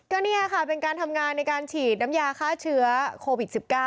ก็นี่ค่ะเป็นการทำงานในการฉีดน้ำยาฆ่าเชื้อโควิด๑๙